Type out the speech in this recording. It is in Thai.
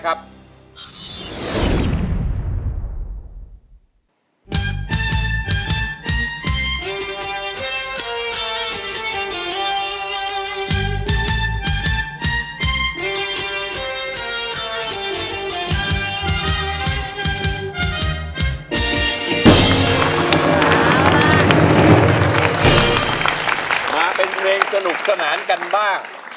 ป๊าป๊ามาเป็นเมื่องสนุกสนานกันบ้าง